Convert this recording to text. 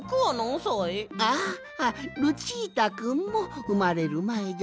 ああルチータくんもうまれるまえじゃよ。